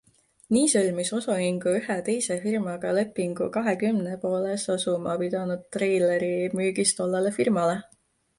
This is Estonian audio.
Nii sõlmis osaühing ühe teise firmaga lepingu kahekümne Poolas asuma pidanud treileri müügis tollele firmale.